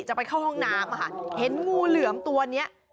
ไปเข้าห้องน้ำเห็นงูเหลือมตัวนี้